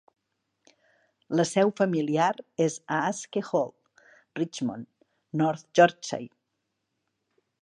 La seu familiar és Aske Hall, Richmond, North Yorkshire.